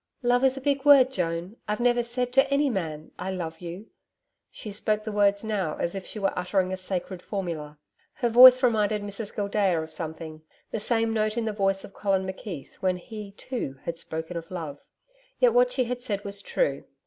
'Love is a big word, Joan. I've never said to any man "I love you."' She spoke the words now as if she were uttering a sacred formula. Her voice reminded Mrs Gildea of something the same note in the voice of Colin McKeith when he, too, had spoken of love. Yet what she had said was true.